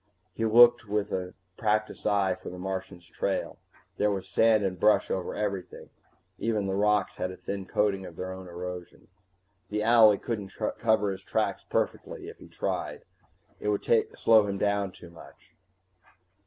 He looked with a practiced eye for the Martian's trail. There was sand and brush over everything, even the rocks had a thin coating of their own erosion. The owlie couldn't cover his tracks perfectly if he tried, it would slow him too much.